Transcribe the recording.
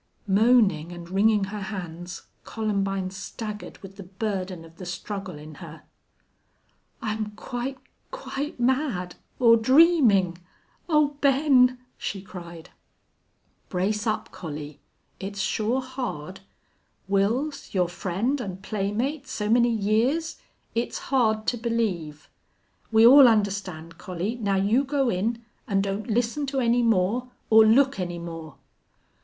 Moaning and wringing her hands, Columbine staggered with the burden of the struggle in her. "I'm quite quite mad or dreaming. Oh, Ben!" she cried. "Brace up, Collie. It's sure hard. Wils, your friend and playmate so many years it's hard to believe! We all understand, Collie. Now you go in, an' don't listen to any more or look any more."